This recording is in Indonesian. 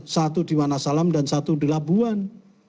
satu di wanasalam dan satu di labuan